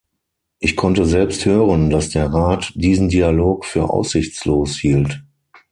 Ich konnte selbst hören, dass der Rat diesen Dialog für aussichtslos hielt.